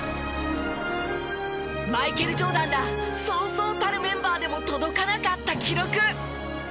マイケル・ジョーダンらそうそうたるメンバーでも届かなかった記録。